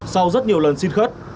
sau rất nhiều lần xin khất